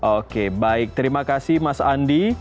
oke baik terima kasih mas andi